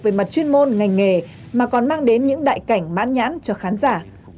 về mặt chuyên môn ngành nghề mà còn mang đến những đại cảnh mãn nhãn cho khán giả